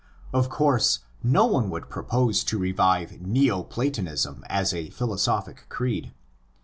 Of course, no one would propose to revive Neo Platonism as a philosophic creed.